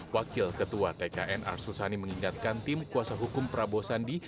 wakil ketua tkn arsul sani mengingatkan tim kuasa hukum prabowo sandi